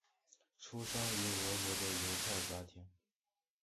出生于俄国的犹太家庭。